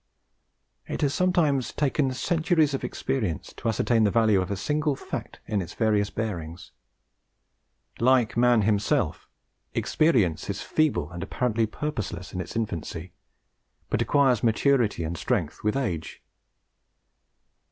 It has sometimes taken centuries of experience to ascertain the value of a single fact in its various bearings. Like man himself, experience is feeble and apparently purposeless in its infancy, but acquires maturity and strength with age.